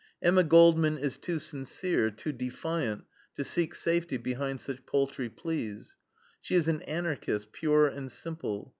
Emma Goldman is too sincere, too defiant, to seek safety behind such paltry pleas. She is an Anarchist, pure and simple.